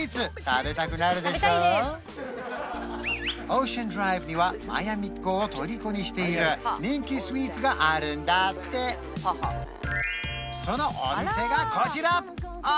オーシャンドライブにはマイアミっ子をとりこにしている人気スイーツがあるんだってそのお店がこちら！